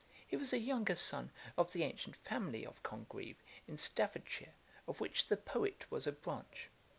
He was a younger son of the ancient family of Congreve, in Staffordshire, of which the poet was a branch.